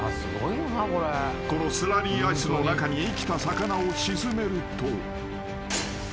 ［このスラリーアイスの中に生きた魚を沈めると］